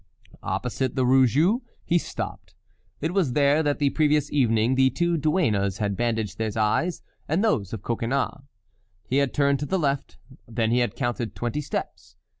Opposite the Rue Jouy he stopped. It was there that the previous evening the two duennas had bandaged his eyes and those of Coconnas. He had turned to the left, then he had counted twenty steps.